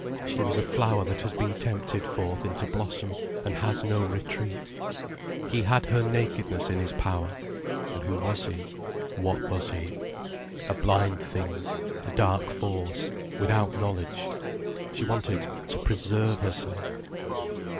She was a flower that has been tempted forth into blossom, and has no retreat. He had her nakedness in his power. And who was he, what was he? A blind thing, a dark force, without knowledge. She wanted to preserve herself.